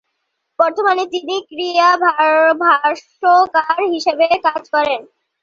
বর্তমানে তিনি ক্রীড়া ভাষ্যকার হিসেবে কাজ করছেন।